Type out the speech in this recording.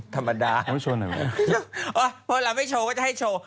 ธรรมดาพอเราไม่โชว์ก็จะให้โชว์